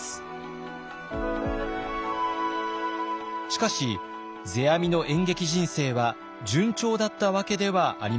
しかし世阿弥の演劇人生は順調だったわけではありません。